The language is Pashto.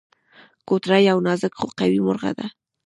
کوتره یو نازک خو قوي مرغه ده.